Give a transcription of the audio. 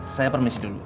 saya permisi dulu